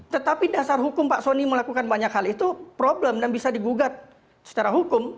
tetapi dasar hukum pak soni melakukan banyak hal itu problem dan bisa digugat secara hukum